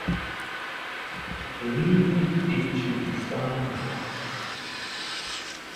He delivered it to Hussain in Mecca.